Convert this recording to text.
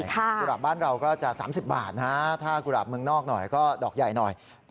กุหลาบบ้านเราก็จะ๓๐บาทนะถ้ากุหลาบเมืองนอกหน่อยก็ดอกใหญ่หน่อย